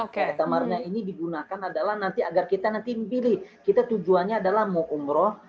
kata maruna ini digunakan adalah nanti agar kita nanti memilih kita tujuannya adalah mau umroh